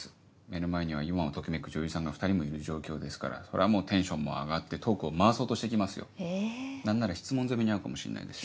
目の前には今を時めく女優さんが２人もいる状況ですからそりゃもうテンションも上がってトークを回そうとして来ますよ。何なら質問攻めにあうかもしんないですよ。